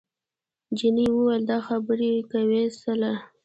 جینۍ وویل دا خبرې کوې څله؟